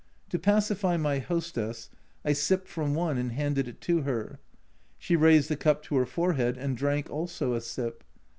To pacify my hostess I sipped from one, and handed it to her. She raised the cup to her forehead and drank also a sip.